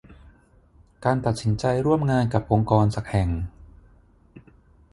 การตัดสินใจร่วมงานกับองค์กรสักแห่ง